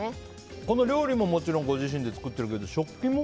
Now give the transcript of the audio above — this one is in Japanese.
この料理ももちろんご自身で作ってるけど食器も？